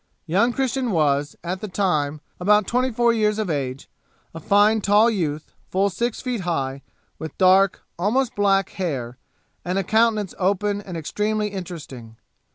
Young Christian was, at this time, about twenty four years of age, a fine tall youth, full six feet high, with dark, almost black, hair, and a countenance open and extremely interesting.